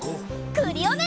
クリオネ！